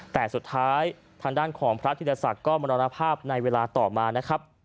แต่สุดท้ายทางด้านของพระธิรศักดิ์ก็มรณภาพในเวลาต่อมานะครับ